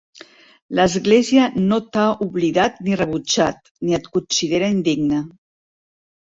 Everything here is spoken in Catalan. L'Església no t'ha oblidat ni rebutjat, ni et considera indigne.